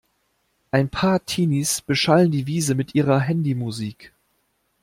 Ein paar Teenies beschallen die Wiese mit ihrer Handymusik.